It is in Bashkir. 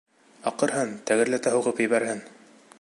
Аҡырһын, тәгәрләтә һуғып ебәрһен!